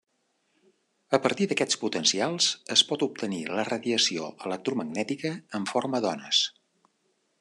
A partir d'aquests potencials es pot obtenir la radiació electromagnètica en forma d'ones.